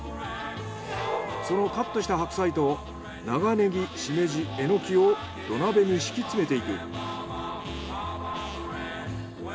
そのカットした白菜と長ネギシメジエノキを土鍋に敷き詰めていく。